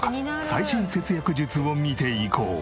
最新節約術を見ていこう。